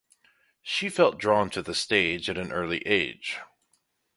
She felt drawn to the stage at an early age.